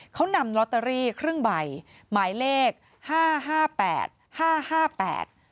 เขานำลอตเตอรี่ครึ่งใบหมายเลขห้าห้าแปดห้าห้าแปด